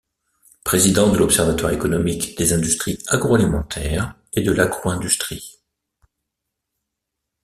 Président de l’observatoire économique des industries agroalimentaires et de l’agro-industrie.